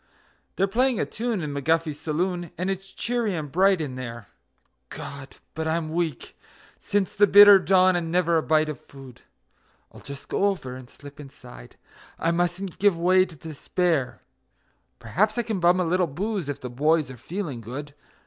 They're playing a tune in McGuffy's saloon, and it's cheery and bright in there (God! but I'm weak since the bitter dawn, and never a bite of food); I'll just go over and slip inside I mustn't give way to despair Perhaps I can bum a little booze if the boys are feeling good.